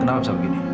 kenapa bisa begini